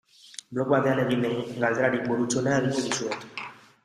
Blog batean egin den galderarik burutsuena egingo dizuet.